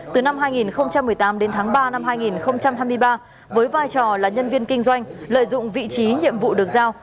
từ năm hai nghìn một mươi tám đến tháng ba năm hai nghìn hai mươi ba với vai trò là nhân viên kinh doanh lợi dụng vị trí nhiệm vụ được giao